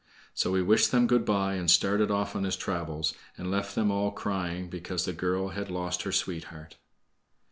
So he wished them good by and started off on his travels, and left them all crying because the girl had lost her sweetheart.